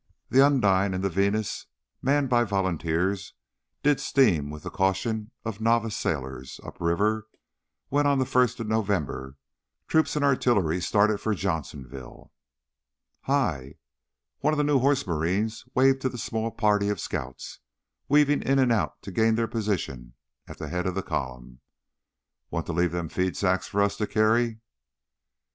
The Undine and the Venus, manned by volunteers, did steam with the caution of novice sailors upriver when on the first of November troops and artillery started to Johnsonville. "Hi!" One of the new Horse Marines waved to the small party of scouts, weaving in and out to gain their position at the head of the column. "Want to leave them feed sacks for us to carry?"